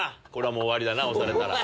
終わりだな押されたら。